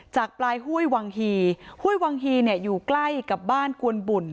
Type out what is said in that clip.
จากปลายห้วยวังฮีห้วยวังฮีเนี่ยอยู่ใกล้กับบ้านกวนบุ่น